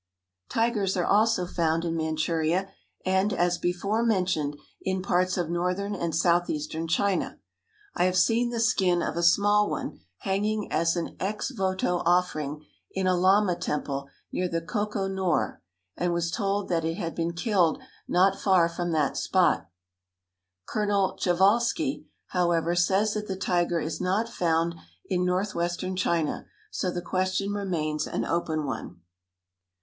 Tigers are also found in Manchuria, and, as before mentioned, in parts of northern and southeastern China. I have seen the skin of a small one hanging as an ex voto offering in a lama temple near the Koko Nor, and was told that it had been killed not far from that spot. Colonel Prjevalsky, however, says that the tiger is not found in northwestern China; so the question remains an open one.